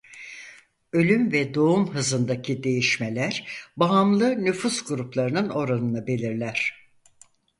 Ölüm ve doğum hızındaki değişmeler bağımlı nüfus gruplarının oranını belirler.